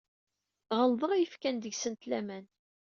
Ɣelḍeɣ i yefkan deg-sent laman.